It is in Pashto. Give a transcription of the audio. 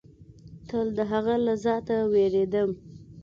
تل د هغه له ذاته وېرېدم.